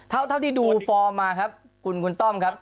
เท่าที่ดูฟอร์มมาครับคุณต้อมครับ